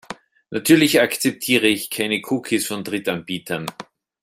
Natürlich akzeptiere ich keine Cookies von Drittanbietern.